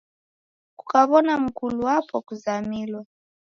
Kukaw'ona mgulu wapo kuzamilwa.